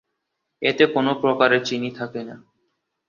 এতে কোন প্রকারে চিনি থাকে না।